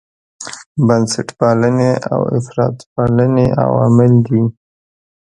بنسټپالنې او افراطپالنې عوامل دي.